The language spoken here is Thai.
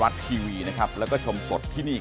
เซ็น